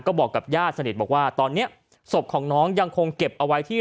ก็บอกกับญาติสนิทบอกว่าตอนนี้ศพของน้องยังคงเก็บเอาไว้ที่